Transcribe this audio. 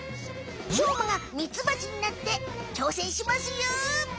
しょうまがミツバチになってちょうせんしますよ！